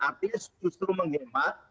artinya justru menghemat